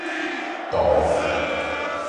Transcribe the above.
塗